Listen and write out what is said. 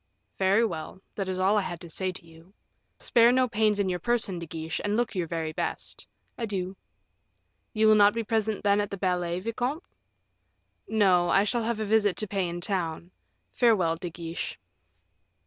"Very well; that is all I had to say to you. Spare no pains in your person, De Guiche, and look your very best. Adieu." "You will not be present, then, at the ballet, vicomte?" "No; I shall have a visit to pay in town. Farewell, De Guiche."